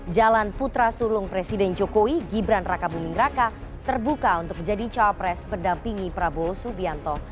jalan putra surung presiden jokowi gibran raka bumingraka terbuka untuk menjadi cawapres berdampingi prabowo subianto